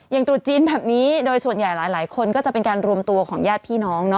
ตรุษจีนแบบนี้โดยส่วนใหญ่หลายคนก็จะเป็นการรวมตัวของญาติพี่น้อง